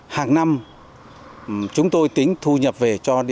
hàng năm chúng tôi tính thu nhập về cho